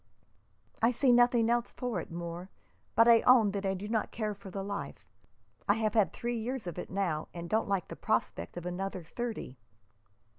"I see nothing else for it, Moore, but I own that I do not care for the life. I have had three years of it now, and don't like the prospect of another thirty."